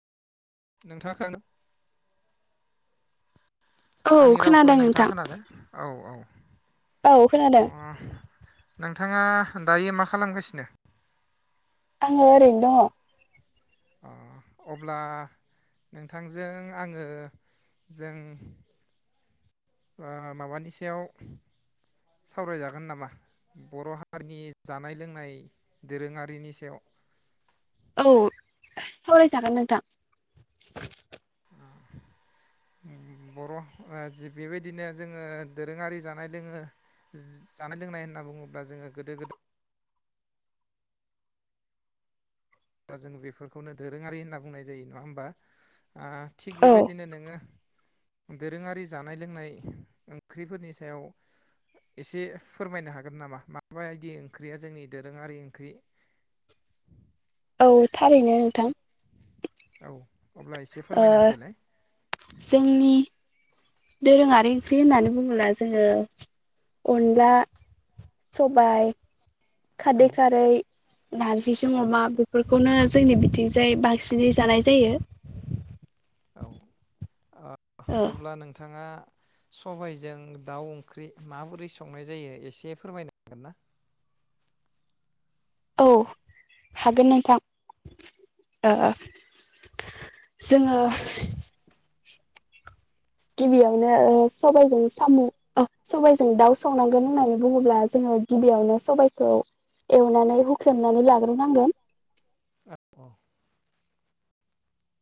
नोंथां [unintelligible] औ आंनि रावखौ खोनादों नोंथां। नोंथाङा खोनादो औ औ औ अ खोनादों नोंथाङा दायो मा खालामगासिनो आङो ओरैनो दङ अ अब्ला नोंथांजों आङो जों ओ माबानि सायाव सावरायजागोन नामा बर' हारिनि जानाय लोंनाय दोरोङारिनि सायाव औ सावरायजागोन नोंथां बर' बेबायदिनो जोङो दोरोङारि जानाय लोङो जानाय लोंनाय होनना बुङोब्ला जोङो गोदो गोदाय फोर जों बेफोरखौनो दोरोङारि होनना बुंनाय जायो नङा होमबा ओ थिग औ बेबायदिनो नोङो दोरोङारि जानाय लोंनाय ओंख्रिफोरनि सायाव एसे फोरमायनो हागोन नामा माबायदि ओंख्रिया जोंनि दोरोङारि ओंख्रि? औ थारैनो नोंथां। औ अब्ला एसे ओ फोरमायना होदोलाय। जोंनि दोरोङारि ओंख्रि होननानै बुङोला जोङो अनला सबाय औ खारदै खारै नारजिजों औ अमा बेफोरखौनो जोंनि बिथिंजाय बांसिनै जानाय जायो। औ आ ओ अब्ला नोंथाङा सबायजों दाउ ओंख्रि माबोरै संनाय जायो एसे फोरमायनो हांगोन ना? औ हागोन नोंथां ओ जोङो गिबियावनो ओ सबायजों सामु अ सबायजों दाउ संनांगोन होननानै बुङोब्ला जोङो गिबियावनो सबाइखौ एवनानै हुख्रेमनानै लाग्रोनांगोन। ओ अ